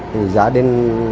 thì gia đình